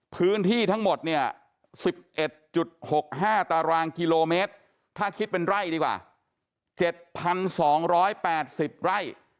พื้นที่ทั้งหมดเนี่ย๑๑๖๕ตารางกิโลเมตรถ้าคิดเป็นไร่ดีกว่า๗๒๘๐ไร่